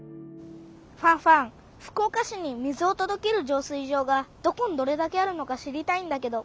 ファンファン福岡市に水をとどける浄水場がどこにどれだけあるのか知りたいんだけど。